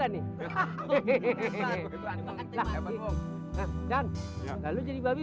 asal jangan jadi manjang babi